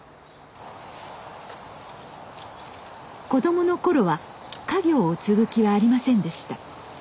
子供の頃は家業を継ぐ気はありませんでした。